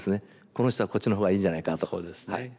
この人はこっちの方がいいんじゃないかとか。